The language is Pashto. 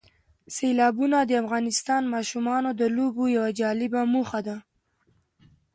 سیلابونه د افغان ماشومانو د لوبو یوه جالبه موضوع ده.